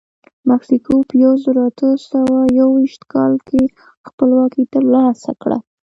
مکسیکو په یو زرو اته سوه یوویشت کال کې خپلواکي ترلاسه کړه.